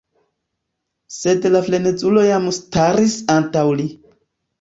Sed la frenezulo jam staris antaŭ li.